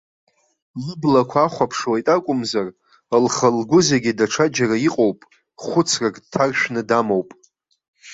Лыблақәа ахәаԥшуеит акәымзар, лхы-лгәы зегьы даҽаџьара иҟоуп, хәыцрак дҭаршәны дамоуп.